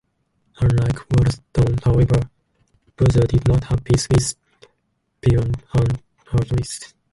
Unlike Waratton, however, Berthar did not have peace with Pepin of Heristal.